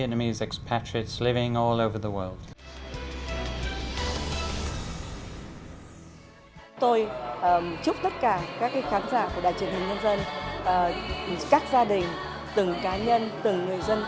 tôi chúc tất cả các khán giả của đài truyền hình nhân dân các gia đình từng cá nhân từng người dân